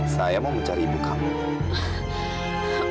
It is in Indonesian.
saya mau mencari ibu kamu